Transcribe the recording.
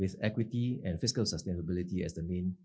dengan ekuiti dan kesehatan kebijakan